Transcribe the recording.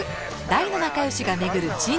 大の仲良しが巡る珍道中。